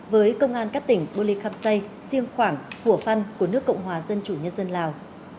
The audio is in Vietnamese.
với công an các tỉnh bô lê khắp xây siêng khoảng hủa phăn của nước cộng hòa dân chủ nhân dân lào